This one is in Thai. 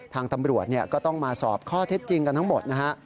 ทางตำรวจก็ต้องมาสอบข้อเท็จจริงกันทั้งหมดนะฮะ